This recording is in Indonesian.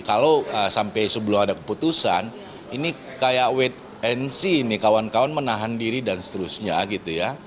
kalau sampai sebelum ada keputusan ini kayak wtnc ini kawan kawan menahan diri dan seterusnya gitu ya